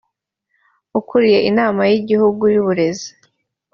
ukuriye inama y’igihugu y’uburezi